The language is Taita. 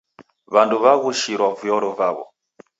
W'andu wagushirwa vyoro vaw'o.